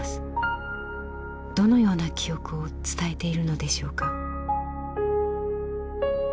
どのような記憶を伝えているのでしょうか。